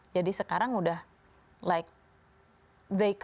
jadi sekarang udah like they come together gitu